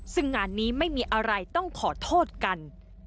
ซึ่งงานนี้ไม่มีอะไรต้องขอโทษกัน